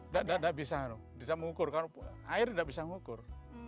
nggak bisa bisa mengukur air nggak bisa mengukur